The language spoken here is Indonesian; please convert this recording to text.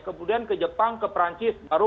kemudian ke jepang ke perancis baru